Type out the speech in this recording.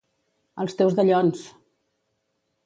Els teus dallons!